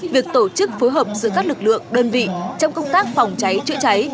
việc tổ chức phối hợp giữa các lực lượng đơn vị trong công tác phòng cháy chữa cháy